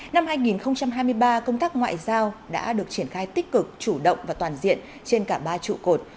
năm hai nghìn hai mươi ba công tác ngoại giao đã được triển khai tích cực chủ động và toàn diện trên cả ba trụ cột